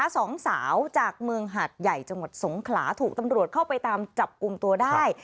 สองสาวจากเมืองหาดใหญ่จังหวัดสงขลาถูกตำรวจเข้าไปตามจับกลุ่มตัวได้